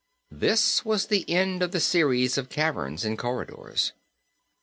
This was the end of the series of caverns and corridors.